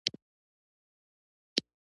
پنځوس اپرېدي هم ورسره وو.